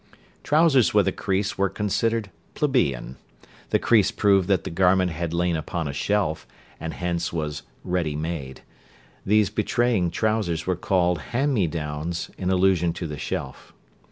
Trousers with a crease were considered plebeian; the crease proved that the garment had lain upon a shelf, and hence was "ready made"; these betraying trousers were called "hand me downs," in allusion to the shelf.